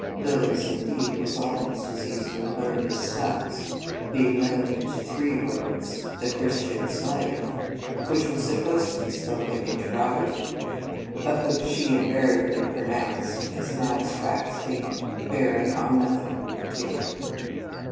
Lilly s, indeed, was almost as easily learned as Snug s, being limited to three words, " The Christian slave ?" which were supposed to be spoken inter rogatively; but which she invariably 36 The Convent Stage pronounced as an abstract statement, bearing on nothing in particular.